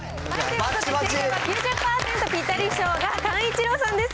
９０％ぴたり賞が寛一郎さんです。